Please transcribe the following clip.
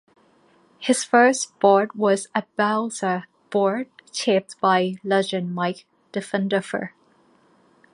His first board was a balsa board shaped by legend Mike Diffenderfer.